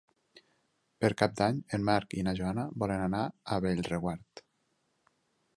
Per Cap d'Any en Marc i na Joana volen anar a Bellreguard.